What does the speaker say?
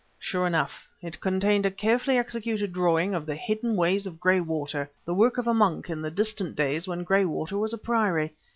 Sure enough, it contained a carefully executed drawing of the hidden ways of Graywater, the work of a monk in the distant days when Graywater was a priory.